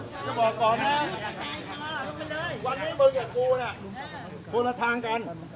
จะบอกก่อนนะวันนี้มึงกับกูน่ะคนละทางกัน